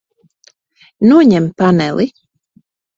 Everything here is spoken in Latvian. Noņem paneli.